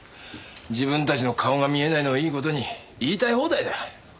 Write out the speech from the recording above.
自分たちの顔が見えないのをいい事に言いたい放題だ。